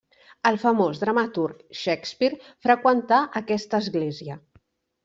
El famós dramaturg Shakespeare freqüentà aquesta església.